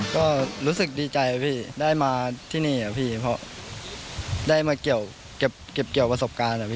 ก็รู้สึกดีใจพี่ได้มาที่นี่อะพี่เพราะได้มาเก็บเกี่ยวประสบการณ์อะพี่